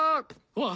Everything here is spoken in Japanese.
あっ！